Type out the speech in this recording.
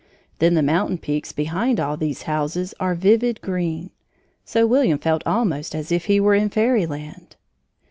Then the mountain peaks behind all these houses are vivid green. So William felt almost as if he were in fairyland.